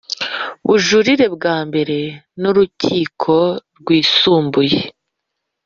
bujurire bwa mbere n Urukiko Rwisumbuye